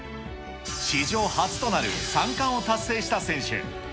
史上初となる３冠を達成した選手。